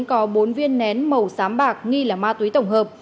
có bốn viên nén màu xám bạc nghi là ma túy tổng hợp